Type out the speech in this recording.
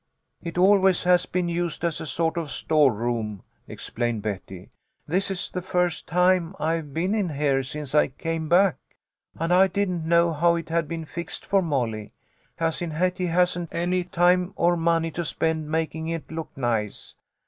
" It always has been used as a sort of storeroom," explained Betty. "This is the first time I've been in here since I came back, and I didn't know how it had been fixed for Molly. Cousin Hetty hasn't any time or money to spend making it look nice.